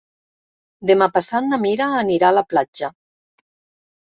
Demà passat na Mira anirà a la platja.